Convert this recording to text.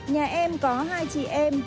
nhà em có hai chị em